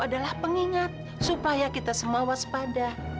adalah pengingat supaya kita semua waspada